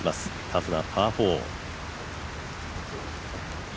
タフなパー４。